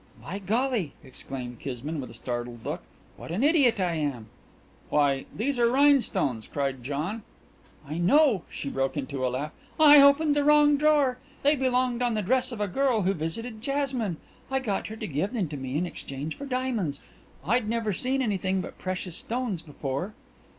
"By golly!" exclaimed Kismine, with a startled look. "What an idiot I am!" "Why, these are rhinestones!" cried John. "I know." She broke into a laugh. "I opened the wrong drawer. They belonged on the dress of a girl who visited Jasmine. I got her to give them to me in exchange for diamonds. I'd never seen anything but precious stones before."